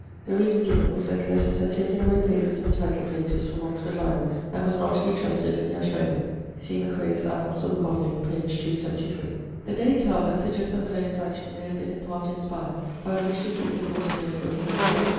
The reason given was that Curtis had taken away papers and title pages from Oxford libraries, and was not to be trusted in the Ashmolean see Macray's Annals of the Bodleian, p. 273. The dates, however, suggest that Malone's action may have been in part inspired by a wish to keep the course clear for his own project.